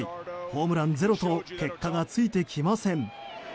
ホームラン０と結果がついてきません。